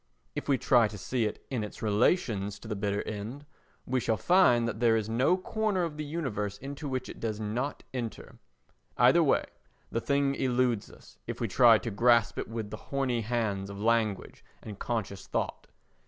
If we try to see it in its relations to the bitter end, we shall find that there is no corner of the universe into which it does not enter. Either way the thing eludes us if we try to grasp it with the horny hands of language and conscious thought.